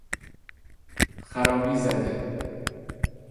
خرابی زده